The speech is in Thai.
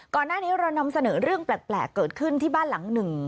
ก่อนหน้านี้เรานำเสนอเรื่องแปลกเกิดขึ้นที่บ้านหลังหนึ่ง